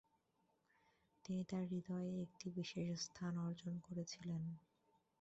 তিনি তাঁর হৃদয়ে একটি বিশেষ স্থান অর্জন করেছিলেন।